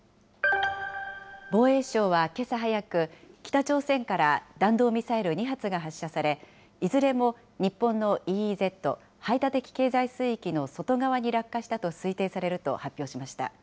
防衛省はけさ早く、北朝鮮から弾道ミサイル２発が発射され、いずれも日本のＥＥＺ・排他的経済水域の外側に落下したと推定されると発表しました。